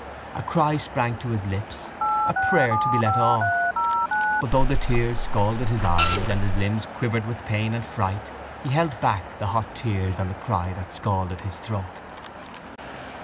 A cry sprang to his lips, a prayer to be let off. But though the tears scalded his eyes and his limbs quivered with pain and fright he held back the hot tears and the cry that scalded his throat.